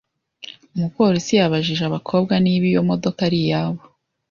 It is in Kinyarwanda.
Umupolisi yabajije abakobwa niba iyo modoka ari iyabo.